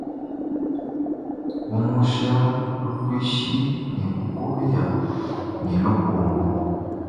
Kumusha lupuishi ne bukoya ne lukombo.